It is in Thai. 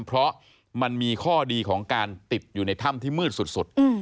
เพราะมันมีข้อดีของการติดอยู่ในถ้ำที่มืดสุด